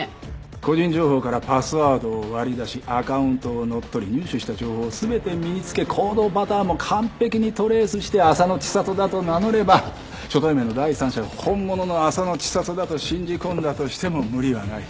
個人情報からパスワードを割り出しアカウントを乗っ取り入手した情報を全て身につけ行動パターンも完璧にトレースして浅野知里だと名乗れば初対面の第三者が本物の浅野知里だと信じ込んだとしても無理はない。